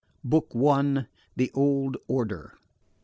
BOOK I. THE OLD ORDER.